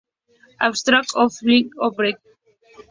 Abstract of article found here